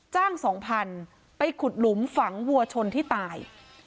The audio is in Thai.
จ้าง๒๐๐๐ไปขุดหลุมฝังหัวชนที่ตาย